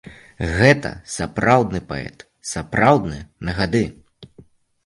Гэта сапраўдны паэт, сапраўдны, на гады.